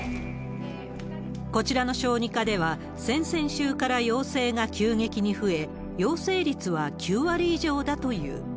こちらの小児科では、先々週から陽性が急激に増え、陽性率は９割以上だという。